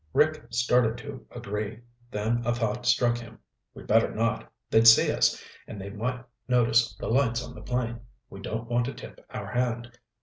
Rick started to agree, then a thought struck him. "We'd better not. They'd see us, and they might notice the lights on the plane. We don't want to tip our hand."